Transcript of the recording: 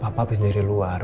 papa bisa diri luar